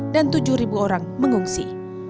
dan tujuh orang mengungsi